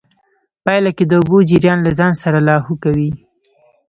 پايله کې د اوبو جريان له ځان سره لاهو کوي.